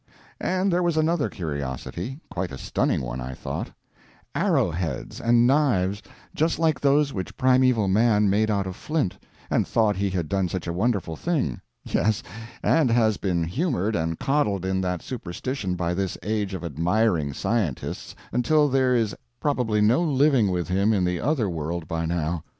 And there was another curiosity quite a stunning one, I thought: Arrow heads and knives just like those which Primeval Man made out of flint, and thought he had done such a wonderful thing yes, and has been humored and coddled in that superstition by this age of admiring scientists until there is probably no living with him in the other world by now.